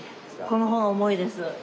この方が重いです。